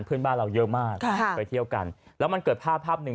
เพื่อนบ้านเราเยอะมากค่ะไปเที่ยวกันแล้วมันเกิดภาพภาพหนึ่ง